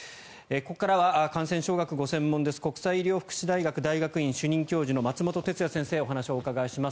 ここからは感染症学がご専門で国際医療福祉大学大学院主任教授の松本哲哉さんにお話をお伺いします。